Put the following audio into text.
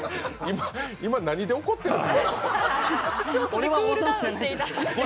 今、何で怒ってるの？